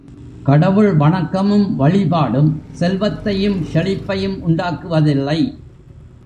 கடவுள் வணக்கமும் வழிபாடும் செல்வத்தையும் செழிப்பையும் உண்டாக்குவதில்லை.